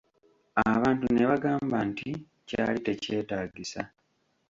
Abantu ne bagamba nti kyali tekyetaagisa.